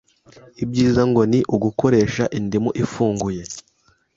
ibyiza ngo ni ugukoresha indimu ifunguye,